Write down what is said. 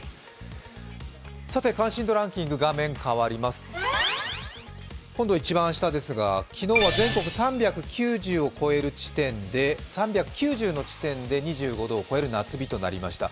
関心度ランキング、画面変わります一番下ですが、昨日は全国３９０の地点で２５度を超える夏日となりました。